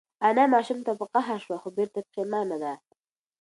انا ماشوم ته په قهر شوه خو بېرته پښېمانه ده.